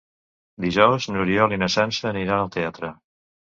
Dijous n'Oriol i na Sança aniran al teatre.